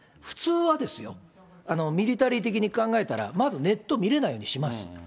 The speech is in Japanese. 普通はですよ、ミリタリー的に考えたら、まずネット見れないようにします。